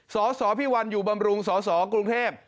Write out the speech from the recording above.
สสพี่วันอยู่บำรุงสสกรุงเทพ